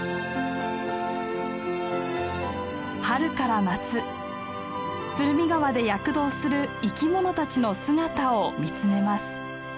春から夏鶴見川で躍動する生き物たちの姿を見つめます。